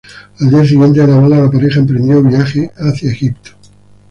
Al día siguiente de la boda la pareja emprendió viaje hacia Egipto.